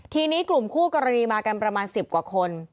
ทีนี้กลุ่มคู่กรณีมากันประมาณ๑๐กว่าคน